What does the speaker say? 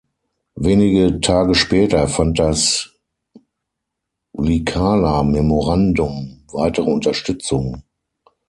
Wenige Tage später fand das Liikala-Memorandum weitere Unterstützung.